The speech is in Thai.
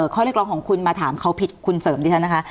ข้อเรียกร้องของคุณมาถามเขาผิดคุณเสริมดิฉันนะคะ